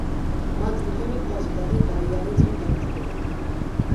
მადლი ქენი ქვაზე დადე, გაიარე წინ დაგხვდება.